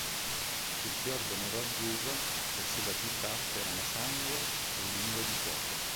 Sul fiordo nero-azzurro e sulla città c'erano sangue e lingue di fuoco.